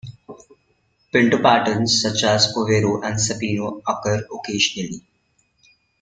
Pinto patterns such as overo and sabino occur occasionally.